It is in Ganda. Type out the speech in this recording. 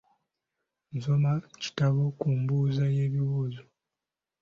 Nsoma kitabo ku mbuuza y'ebibuuzo.